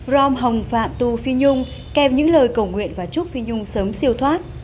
rom hồng phạm tu phi nhung kèm những lời cầu nguyện và chúc phi nhung sớm siêu thoát